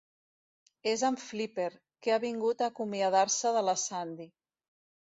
És en Flipper, que ha vingut a acomiadar-se de la Sandy.